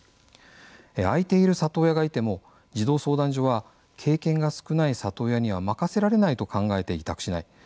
あいている里親がいても児童相談所は経験が少ない里親には任せられないと考えて委託しない。